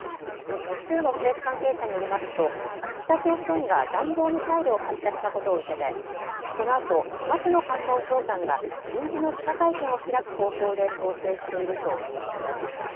複数の政府関係者によりますと北朝鮮が弾道ミサイルを発射したことを受けてこのあと松野官房長官が臨時の記者会見を開く方向で調整しているということです。